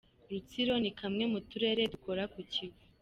Rutsiro ni kamwe mu turere dukora ku Kivu.